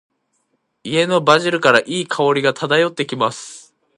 家のバジルから、良い香りが漂ってきます。